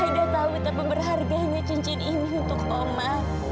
aida tahu tak memperhargainya cincin ini untuk oma